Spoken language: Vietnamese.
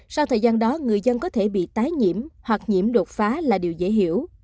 sau thời gian đó người dân có thể bị tái nhiễm hoặc nhiễm đột phá là điều dễ hiểu